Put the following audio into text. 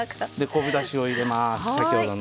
昆布だしを入れます先ほどの。